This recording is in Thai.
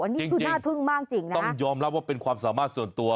นี่คือน่าทึ่งมากจริงนะต้องยอมรับว่าเป็นความสามารถส่วนตัว